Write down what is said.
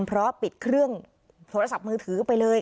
เพราะปิดเครื่องโทรศัพท์มือถือไปเลย